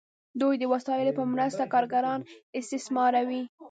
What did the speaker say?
دوی د وسایلو په مرسته کارګران استثماروي.